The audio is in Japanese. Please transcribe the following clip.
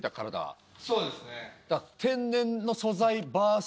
天然の素材ＶＳ